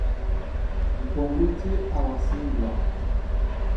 Mpuŋgu tí a wasí mbya.